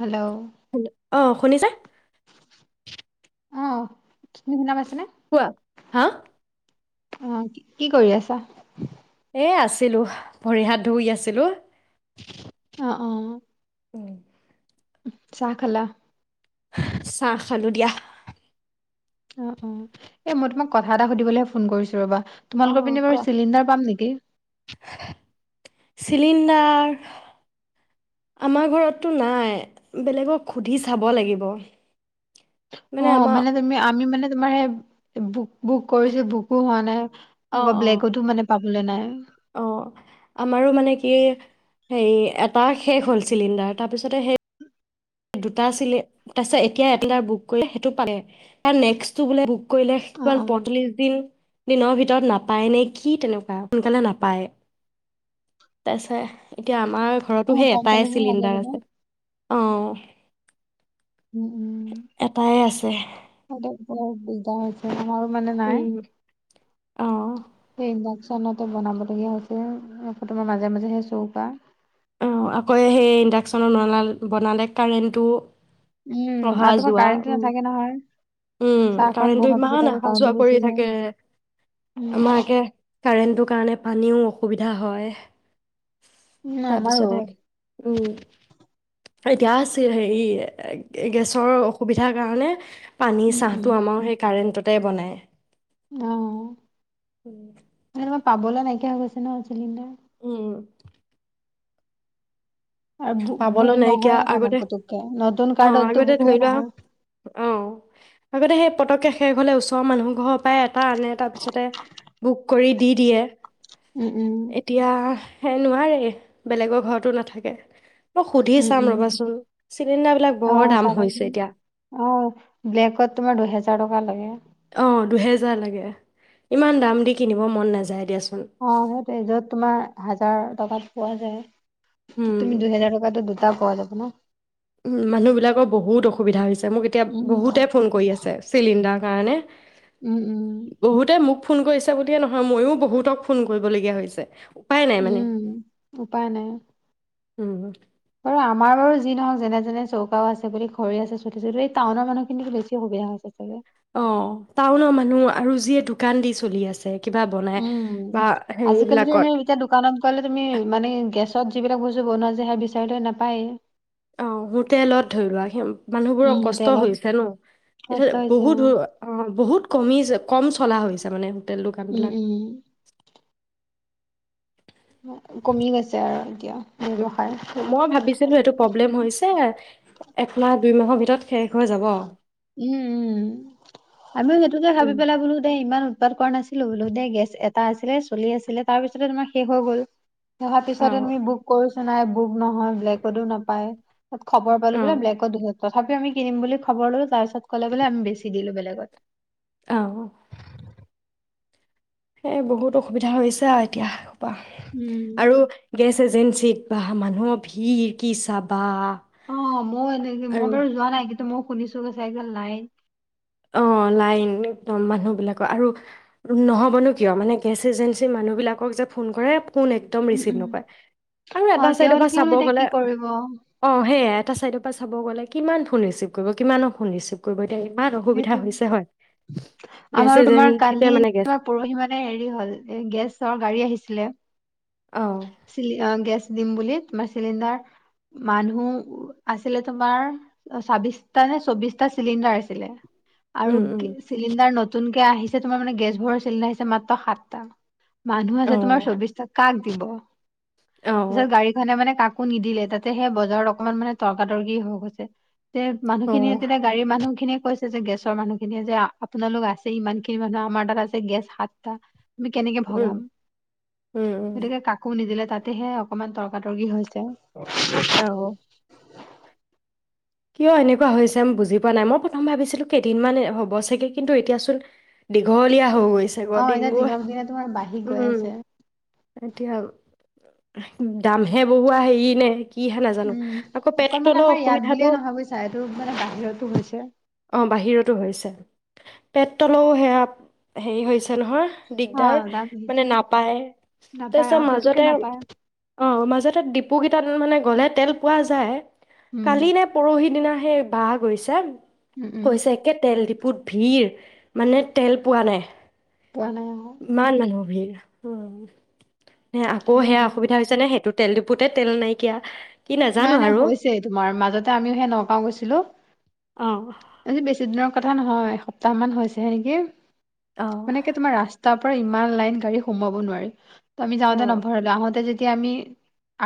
Hello hello আহ শুনিছা? অ' শুনা পা কোৱা হা অ' কি কৰি আছা? এই আছিলো ভৰি হাত ধুই আছিলোঁ। অ অ'। উম। চাহ খালা? চাহ খালো দিয়া। অ' অহ এ মই তোমাক কথা এটা সুধিবলৈহে ফোন কৰিছো ৰবা। অঁ তোমালোকৰ পিনে বাৰু কোৱা চিলিণ্ডাৰ পাম নেকি? চিলিণ্ডাৰ আমাৰ ঘৰততো নাই বেলেগক সুধি চাব লাগিব। অ', মানে তুমি আমি মানে তোমাৰহে বু বুক কৰিছোঁ, বুকো হোৱা নাই আকৌ ব্লেকতো মানে পাব ভুল নাই। অ', আমাৰো মানে কি হে এটা শেষ হ'ল চিলিণ্ডাৰ তাৰপিছতে সেই দুটা আছিলে তাৰপিছত এতিয়া এ বুক কৰিলে সেইটো পালে তাৰ নেক্সটো বোলে বোক অ কৈলোমান অ পঁয়ত্লি দিন। দিনৰ ভিতৰত নাপায় নে কি তেনেকুৱা সোনকালে নাপায় তাৰছত এতিয়া আমাৰ অ ঘৰতো সেই এটাই পঞ্চল্লিশ দিন লাগে চিলিণ্ডাৰ বোলে আছে। অ উম উম এটাই আছে। ব বুজা হৈছে আমাৰো মানে নাই। উম অ সেই চানতে বনাব লগীয়া হৈছিল আকৌ তোমাৰ মাজে মাজে সেই চৌকা অ আকৌ সেই ইণ্ডাকশ্যনত নলাল বনালে কাৰেণ্টটো উম অহা আৰু তোমাৰ যোৱা কাৰেণ্টটো উ, নাথাকে নহয় উম, চাহকণ কাৰেণ্টটো বহোৱাৰ পিছত ইমান আকৌ অহা কাৰেণ্টটো যোৱা গুচি কৰি যায়। থাকে। উম আমাৰ আকে কাৰেণ্টটো কাৰণে পানীও অসুবিধা হয়। উম, আমাৰো। তাৰপিছতে উম ', এতিয়া হেৰি, গেছৰ অসুবিধাৰ কাৰণে পানী উম চাহ উম টো আমাৰ সেই কাৰেণ্টত। তে বনায়। অহ। উম। পাবলৈ নাইকিয়া হৈ গৈছে ন? চিলিণ্ডাৰ। উম। আৰু বু বুক পাবলৈ নাইকিয়া নহয়ে মানে আগতে পুতুককে নতুন অ', কাৰ্ডতো আগতে বুকে ধৰি লোৱা নহয়। অ। আগতে সেই পটককে শেষ হ'লে ওচৰৰ মানুহৰ ঘৰৰ পৰাই এটা আনে, তাৰ পিছতেই বুক কৰি দি দিয়ে। উম উম। এতিয়া হে নোৱাৰে বেলেগৰ ঘৰতো নাথাকে। মই সুধি উম, চাম উম ৰ'বাচোন চিলিণ্ডাৰবিলাক বৰ অ', দাম হৈছে চাবাচোন এতিয়া অ', ব্লেকত তোমাৰ দুহেজাৰ টকা লাগে। অ', দুহেজাৰ লাগে ইমান দাম দি কিনিব মন নাযায় দিয়াচোন। অ', সেইটোৱে যত তোমাৰ হাজাৰ টকাত পোৱা যায়। উম, তুমি দুহোজাৰ টকাতে ডু টা পোৱা যাব ন? উ, মানুহ বিলাকৰ বহুত অসুবিধা হৈছে। মোক এতিয়া উম বহুতে ফোন কৰি আছে চিলিণ্ডাৰ। মানে? উম উম বহুতে মোক ফোন কৰিছে বুলিয়ে নহয় ময়ো বহুতক ফোন কৰিবলগীয়া হৈছে। উপায় নাই মানে উম উপায় নাই। অ'। বাৰু আমাৰ বাৰু যি নহওক যেনে-যেনে চৌকাও আছে বুলি ঘৰি আছে চুটি এই টাউনৰ মানুহখিনিক বেছি সুবিধা হৈছে চাগে? অ', টাউনৰ মানুহ আৰু যিয়ে দোকান দি চলি আছে। কিবা বনাই উম' বা আজিকালিতো হেৰিবিলাকত এনেই এতিয়া দোকানত গলে তুমি মানে গেচ ত', যিবিলাক বস্তু বনোৱা য সে বিচাৰিলে নাপায়েই। অ', হোটেলত ধৰি লোৱা স মানুহবোৰৰ উম কষ্ট হোটেলত হৈছে ন কষ্ট এ', হৈছে উম। বহুত অ', বহুত কমি কম চলা হৈছে মানে। হোটেল উম দোকানবিলাক উম। উম, কমি গৈছে আৰু এতিয়া। উ ব্যৱসায়। মই ভাবিছিলো এইটো প্ৰব্লেম হৈছে। এ মাহ দুই মাহৰ ভিতৰত শেষ হৈ যাব উম উম আমিও সেইটোকে ভাবি উম পেলাই বোলো দে ইমান উ উৎপাত কৰা নাছিলো বোলো দেই গেছ এটা আছিলে চলি আছিলে তাৰপিছতে তোমাৰ শেষ হৈ গ'ল। [unintelligible] অ পিছততে মি বুক কৰো চাই বুক নহয় ব্লেকতো নাপায়। খবৰ অ পালো বোলে ব্লেকতো তথাপিও আম কিনিম বুলি খবৰ লৈ তাৰ পিছত কলে আমি বেছি দিলো বেলেগ [inaudible] আহ। এ বহুত অসুবিধা হৈছে আৰু এতিয়া। আৰু উম গেছ এজেঞ্চিত বা মানুহৰ ভিৰ কি চাবা অ' মই এনেকে মই আৰু বাৰু যোৱা নাই। মই শুনিছো চাইকেল লাইন অ' লাইন একদম মানুহবিলাকৰ আৰু নহ'বনো কিয় মানে গেছ এজেঞ্চিৰ মানুহবিলাকক যে ফোন কৰে কোন একদম উম ৰিচিভ উম নকৰে আৰু অ এটা চাইডৰ পৰা তেওঁলোকেনো চাব এতিয়া কি গ'লে কৰিব অ' সেয়া এটা চাইডৰ পৰা চাব গ'লে কিমান ফোন ৰিচিভ কৰিব কিমানৰ ফোন ৰিচিভ কৰিব এতিয়া ইমান অসুবিধা সেইটো হৈছে হয়। গেছ আমাৰ তোমাৰ এজেঞ্চিতে মানে গেছ কালিমাৰ পৰহি মানে হেৰি হল এ গেছৰ গাড়ী আহিছিলে অ', চ অ' গেছ দিম বুলি তোমাৰ চিলিণ্ডাৰ মানুহ আছিলে তোমাৰ ছাবিশটা নে চৌবিশটা চিলিণ্ডাৰ আছিলে আৰু উম, উম, চিলিণ্ডাৰ নতুন আহিছে তোমাৰ মানে গেছবোৰৰ চিলিণ্ডাৰ আহিছে মাত্ৰ সাতটা। মানুহ আছে তোমাৰ অ', চৌবিশটা কাক দিব? অ', তাৰপিছত গাড়ীখনে মানে কাক একো নিদিলে তাতে সেই বজাৰত অকমান মানে তৰ্কাতৰ্কি হৈ গৈছে। তে অ', মানুহখিনিয় তেতিয়া গাড়ী মানুহখিনিক কৈছে যে গেছৰ মানুহ খিনিয়ে যে আপোনালোক আছে ইমান খিনি মানুহ আমাৰ তাত আছে গেছ সাতটা তুমি কেনেকে ভগাম? উম, উম, উম, গতিকে কাকো নিদিলে তাতেহে অকনমান তৰ তৰ কি হৈছে অ'। [unintelligible] কিয় এনেকুৱা হৈছে বুজি পোৱা নাই মই প্ৰথম ভাবিছিলো কেইদিনমান হ'ব চাগে কিন্তু এতিয়াচোন দীঘলীয়া হৈ গৈছে গৰ এতিয়া দিনবোৰ দিনক দিনে তোমাৰ বাঢ়ি গৈ উম আছে এতিয়া দামহে বহোৱা হেৰি নে কিহে নাজানো উম। আকৌ পেট তলৰ অসুবিধাটো চাইটো মানে বাহিৰতো হৈছে। পেটতলেও সেয়া হেৰি হৈছে নহয় অ দিগদাৰ দাম মানে বাঢ়িছে। নাপায় নাপায় তাৰপিছত আহ পুতুককে মাজতে নাপায়। অ' মাজতে ডিপুকেইটাত মানে গ'লে তেল পোৱা যায়। উম, কালি নে পহিদিনা সে বাহ গৈছে উম, উম, কৈছে একে তেল দি বুত ভিৰ মানে তেল পোৱা নাই। পোৱা নাই। ইমান মানুহ ভিৰ নে আকৌ সেইয়াই সেয়া আৰু অসুবিধা হৈছে নে সেইটোত তেল ডিপুতে তেল নাইকিয়া। কি নাজানো নাই নাই আৰু হৈছে তোমাৰ মাজত আমিও সে নগাঁও গৈছিলো আজি বেছি দিনৰ কথা নহয় সপ্তাহ মান হৈছেহে নেকি মানে কি তোমাৰ ৰাস্তা পৰা ইমান লাইন গাড়ী সোমাব নোৱাৰি। তমি অ যাওঁতে যে অ ন অ ভৰ লে আহোঁতে তেতিয়া আমি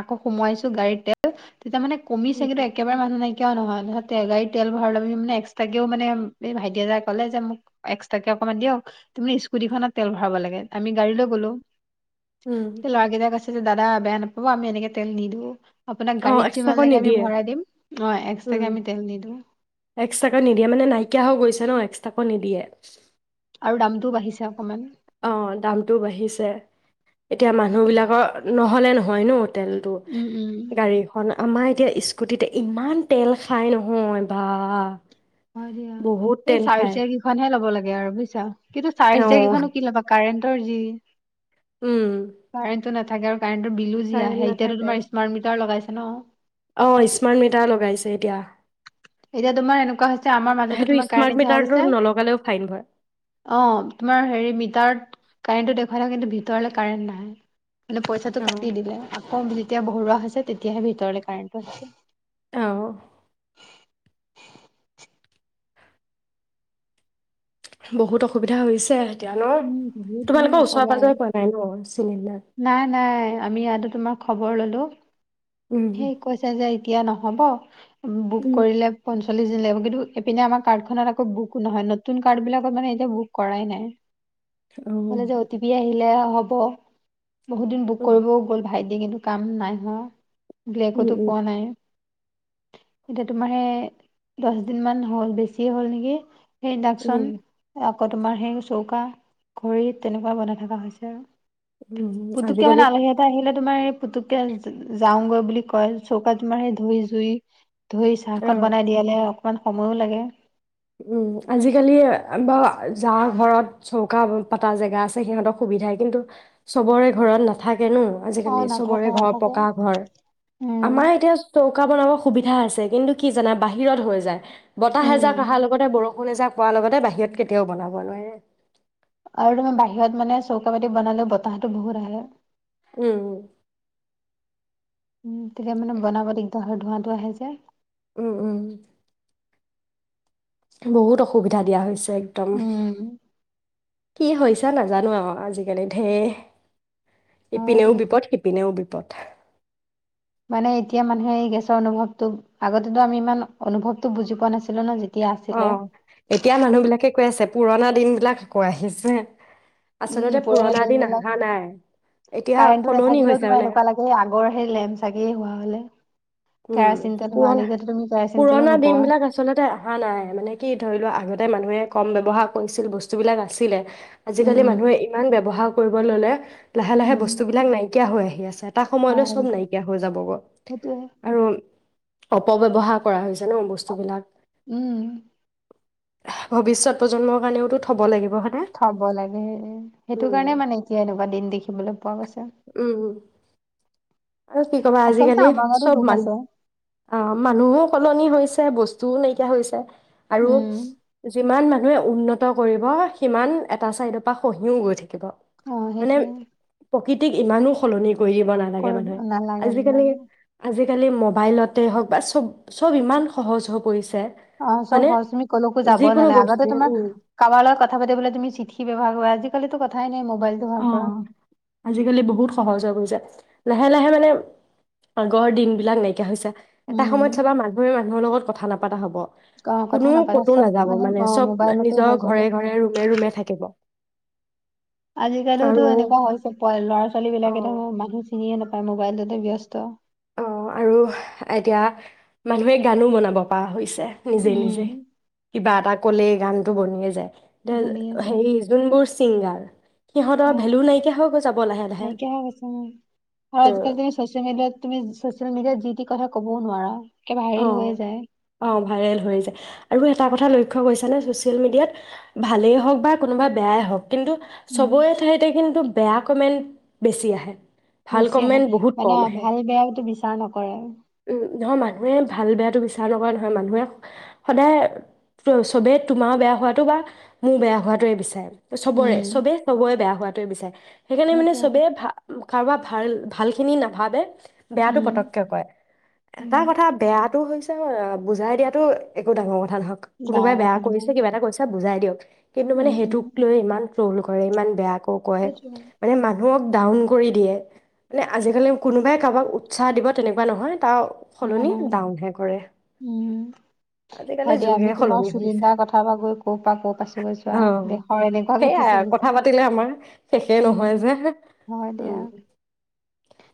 আকৌ সোমাইছো গাড়ী [unintelligible] তেতিয়া মানে কমিছে উম, কিন্তু একেবাৰে মানুহ নাই কিয় নহয় গাড়ীত তেল ভৰাবে এক্সট্ৰাকেও মানে এই ভাইটি এতই ক'লে যে মোক এক্সট্ৰাকে অকণমান দিয়ক তে স্কুটিখনত তেল ভৰাব লাগে আমি গাড়ী লৈ গ'লো। উম, হে লৰাকেইটাই কৈছে যে দাদা বেয়া নাপাব আমি এনেকে তেল নিদো অ' এক্সট্ৰাকৈ নিদিয়ে অ এক্সট্ৰাকে উম আমি তেল নিদিওঁ এক্সট্ৰাকৈ নিদিয়ে মানে নাইকিয়া হৈ গৈছে ন এক কাকো নিদিয়ে। আৰু দামটোও বাঢ়িছে অকমান। অ' দামতটো বাঢ়িছে এতিয়া মানুহ বিলাকৰ নহলে নহয় নো তেলতটো উম উম গাড়ীখন আমাৰ এতিয়া স্কুটিতে ইমান তেল খাই নহয় বা। হয় দিয়া বহুত সেই তেল চাৰ খায়। চ কেইখনহে ল'ব লাগে। লাগে আৰু বুইছা? কিন্তু চাৰি চকীয়া অ', কৈইখনো কি লবা কাৰেণ্ট তজি উম, কাৰেণ্টটো না আগাৰ কাৰেণ্টৰ বিলো যি কাৰেণ্ট আহে এতিয়া নাথাকে। তোমাৰ ৰ্মাৰ্ট মিটাৰ লগাইছে। হ ন' অ' স্মাৰ্ট মিটাৰ লগাইছে এতিয়া। এতিয়া তোমাৰ এনেকুৱা হৈছে আমাৰ মাজতে সেইটো তোমাৰ কাৰেণ্ট স্মাৰ্ট নিখা হৈ মিটাৰটো গৈছে নলগালেও ফাইন ভৰে। অ' তোমাৰ হেৰি মিটাৰত কাৰেণ্টটো দেখুৱাইাওঁ কিন্তু ভিতৰলৈ কাৰেণ্ট নাহাই মানে পইচাটো অ', কাটি দিলে। কম যেতিয়া ভৰোৱা হৈছে তেতিয়াহে ভিতৰলে কাৰেণ্টটো আছে। অ', [inaudible] বহুত অসুবিধা হৈছে। এতিয়া ন উম বহুত অ তোমালোকৰ ওচৰে নকবা আৰু। পাজৰে পোৱা নাই ন চিলিণ্ডাৰ? নাই নাই আমি ইয়াতো তোমাৰ খবৰ ললো। উম, সেই কৈছা যে এতিয়া ন হব। বুক উম। কৰিলে। পঞ্চল্লিশ দিন লাগিব কিন্তুপিনে আমাৰ কাৰ্ডখনত আকৌ বুক নহয় নতুন কাৰ্ড বিলাকত মানে এতিয়া বুক কৰাই নাই। কলেজ অ'। অতিপি আহিল। লে হ'ব। বহুত দিন বুক কৰিবও গ'ল ভাইট এহ ', কিন্তু কাম নাই হোৱা। উম, ব্লেকোতো উম, পোৱা নাই। এতিয়া তোমাৰে দহ দিন মান হল বেছিয়ে হল নেকি। সেই উম, ইণ্ডাকশচন উম। আপ। ক টোমাৰ সেই চৌকা। খৰি তেনেকুৱা বনাই থকা হৈছে আৰু। উম, পুতুকেই আজিকালি মানে আলহী এটা আহিলে। তোমাৰ পুতুকে যাওঁগৈ বুলি কয় চৌকাত তোমাৰ স ধই জুই। ধুই চাহকণ বনাই অ'। দিয়ালে। অকমান সময়ো লাগে। উম', আজিকালি বাৰ যা ঘৰত চৌকা পাতা জেগা আছে সিহঁতক সুবিধাই কিন্তু চবৰে ঘৰত নাথাকে। জানো অ আজিকালি চবৰে নাথাকে ঘৰ নাথাকে পকা ঘৰ উম আমাৰ এতিয়া চৌকা বনাব সুবিধা সধা আছে কিন্তু কি জানা বাহিৰত হৈ যায়। বতাহ এজাক উম', অহাৰ লগতে বৰষুণ এজা কোৱাৰ লগতে বাহিৰত কেতিয়াওবনাব নোৱাৰে। আৰু তুমি বাহিৰত মানে চৌকা পাতি বনালে বতাহটো বহুত আহে। উম', - উ', উম ', তেতিয়া মানে বনাব দিগদাৰ হয়। ধোৱা - ধোৱা আহে যে। উম- উম বহুত অসুবিধা দিয়া হৈছে। একদম। উম কিহ‌ হৈছে নাজানো আৰু আজিকালি ঢেৰ। হয় ইপিনেও তুমি বিপদ সিপিনেও বিপদ মানে এতিয়া মানুহে এই গেছৰ অনুভৱটো আগতেতো আমি ইমান অনুভৱতটো বুজি পোৱা নাছিলো ন যেতিয়া আছিলে। অহ ', এতিয়া মানুহ বিলাকে কৈ আছে। পুৰণা দিনবিলাক আকৌ আহিছে। উম', আচলতে পুৰণা পুৰণি দিন বিলাক, অহা নাই এতিয়া কাৰেণ্টটো সলনি নাথাকিলেও হৈছে তোমাৰ মানে এনেকুৱা লাগে আগৰ সেই লেম্প চাগি হোৱা হলে। উম কেৰাচিন তেল হোৱালে পুৰণা এতিয়াতো তুমি কেৰাচিন তেলো পুৰণা দিন নোপোৱা। বিলাক আচলতে অহা নাই মানে কি ধৰি লোৱা আগতে মানুহে কম ব্যৱহাৰ কৰিছিল বস্তুবিলাক আছিলে। উম আজিকালি উম মানুহে ইমান ব্যয়ৱহাৰ কৰিব ললে লাহে লাহে উম বস্তুবিলাক নাইকিয়া হৈ আহি আছে এটা সময়লৈ হয় চব নাইকিয়া হৈ যাবগৈ। সেইটোয়ে অপব্যবহাৰ কৰা হৈছে ন বস্তুবলাক। উম। ভৱিষ্যত প্ৰজন্মৰ কাৰণেও থব লাগে সেইটো উম কাৰণে মানে এতিয়া এনেকুৱা দিন দেখিবলৈ পোৱা কৈছে উম আৰু কি কবা আজিকালি চব মান আছে অ' মানুহো সলনি হৈছে বস্তুও নাইকিয়া হৈছে। আৰু উম যিমান মানে মানুহে উন্নত কৰিব সিমান এটা ছাইডৰ পৰা খঁহিও গৈ থাকে। কিবা অ মানে সেইটোয়ে প্ৰকৃত কি ইমানো সলনি কৰিব নালাগে কৰিব মানে। নালাগে আজিকালি নালাগে। আজিকালি ম'বাইলতে হওক বা চব চব ইমান সহজ হৈ পৰিছে। অ' চব হয়নে সহজ তুমি ক'লৈকো যাব যিকোনো নালে আগতে বস্তুৱে তোমাৰ উম কাৰোবাৰ লগত কথা পাতিবলে তুমি চিঠি ব্যৱহাৰ কৰা আজিকালিতো ক ঠাই ম অ' আজিকালি বহুত সহজ হৈ গৈছে। লাহে লাহে মানে আগৰ দিন বিলাক নাইকিয়া হৈছে। এটা উম সময়ত চবা মানুহে মানুহৰ লগত কথা নপতা হ'ব। অ কথা কোনো নাপাতা কতো চব নাযাব মানে অ চব মোবাইলতে নিজৰ হৈ যাব ঘৰে ঘৰে ৰুমে ৰুমে থাকিব। আৰু আজিকালিতো এনেকুৱা হৈছে প ল'ৰা ছোৱালী অ বিলাকে দেখোন মানুহ চিনিয়ে নাপায় মোবাইলটোতে ব্যস্ত। অ' আৰু এতিয়া মানুহে গানো বনাব পৰা হৈছে। নিজে নিজে উম কিবা এটা ক'লে গানটো বনিয়ে যায়। বনি আছে হেৰি যোনবোৰ ছিংগাৰ অ সিহঁতৰ ভেলু নাইকিয়া হৈ গৈ যাব লাহে লাহে নাইকিয়া হৈ গৈছে উম আৰু উম। আজিকালি তুমি ছচিয়েল মিডিয়াত তুমি চচিয়েল মিডিয়াত যি তি কথা ক'বও নোৱাৰা একে ভাইৰেল অঁ হৈ যায় অঁ ভাইৰেল হৈ যায় আৰু তাৰ কথা লক্ষ্য কৰিছা নে চচিয়েল মিডিয়াত ভালেই হওক বা কোনোবা বেয়াই হওঁক কিন্তু উম চবৰে ঠাইতে কিন্তু বেয়া কমেণ্ট বেছি আহে ভাল বেছি আহে কমেণ্ট বহুত মানে কম আহে ভাল বেয়াটো বিচাৰ নকৰে ধমমান [unintelligible] মানুহে ভাল বেয়াটো বিচাৰ নকৰে নহয় মানুহে সদায় চবেই তোমাৰও বেয়া হোৱাটো বা মোৰ বেয়া হোৱাটোৱে বিচাৰে চবৰে উম চবে চবৰে বেয়া হোৱাটোৱে বিচাৰে সেইকাৰণে মানে সেইটোৱে চবেই ভাল কাৰোবাৰ ভাল ভালখিনি নাভাবে বেয়াটো উম পতককে কয় উম। বেয়াটো হৈছে বুজাই দিয়াটো একো ডাঙৰ কথা ক ডাঙৰ কোনোবাই বেয়া কথা নহয়, কৰিছে কিবা এটা কৰিছে বুজাই দিয়ক কিন্তু মানে উম উম। সেইটোক লৈ ইমান ৰ'ল ঘৰে ইমান বেয়া কয় সেইটোৱে। মানুহে মানুহক ডাউন কৰি দিয়ে মানে আজিকালি কোনোবাই কাৰোবাক উৎসাহ দিব তেনেকুৱা নহয় তাৰ ন সলনি ন ডাউনহে কৰে উম আজিকালি হয় দিয়া যুগে আমি তোমাৰ সলনি হৈছে চিলিণ্ডাৰ কথা পৰা গৈ ক' পৰা ক'ৰ পাইছো গৈছো অ দেশৰ এনেকুৱা গতি সেয়াই আৰু চলিছো কথা পাতিলে আমাৰ শেষে উম নহয় যে হয় দিয়া উম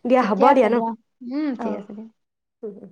দিয়া হ'ব ঠিকে আছে ন দিয়া উম অ ঠিক আছে দিয়া উম উম